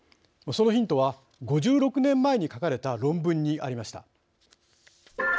そのヒントは５６年前に書かれた論文にありました。